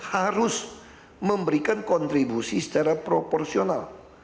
harus memberikan kontribusi secara proporsional